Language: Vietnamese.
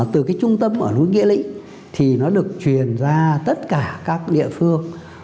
từ cái trung tâm ở núi nghĩa lĩnh thì nó được truyền ra tất cả các địa phương